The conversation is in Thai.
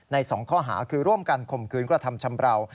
๒ข้อหาคือร่วมกันข่มขืนกระทำชำราว